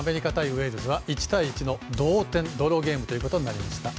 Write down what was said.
ウェールズは１対１の同点ドローゲームとなりました。